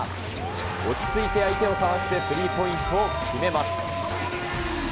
落ち着いて相手をかわしてスリーポイントを決めます。